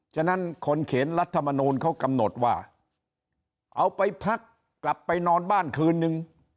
ฉะนั้นคนเขียนรัฐมนูลเขากำหนดว่าเอาไปพักกลับไปนอนบ้านคืนนึง